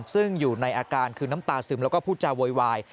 ซึ่งอยู่ในอาการคือน้ำตาซึมแล้วก็พูดจาโวยวาย